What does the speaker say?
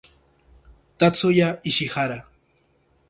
Tatsuya Ishihara